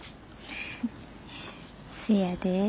せやで。